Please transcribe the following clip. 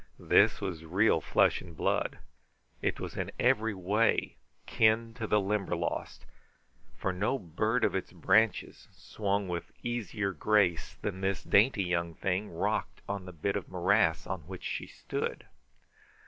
This was real flesh and blood. It was in every way kin to the Limberlost, for no bird of its branches swung with easier grace than this dainty young thing rocked on the bit of morass on which she stood.